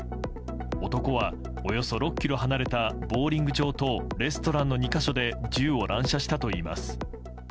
男はおよそ６ｋｍ離れたボウリング場とレストランの２か所で銃を乱射したといいます。